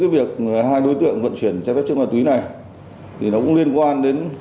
về hà nội phục vụ đời sống của dân